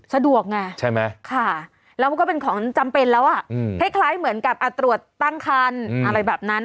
สะดวกไงค่ะแล้วก็เป็นของจำเป็นแล้วอ่ะเป็นคล้ายเหมือนกับตรวจตั้งคันอะไรแบบนั้น